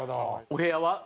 お部屋は？